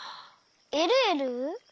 えるえる！